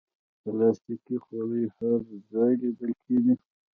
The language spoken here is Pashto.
پلاستيکي خولۍ هر ځای لیدل کېږي.